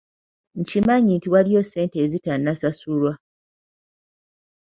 Nkimanyi nti waliyo ssente ezitanasasulwa.